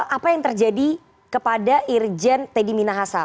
apa yang terjadi kepada irjen teddy minahasa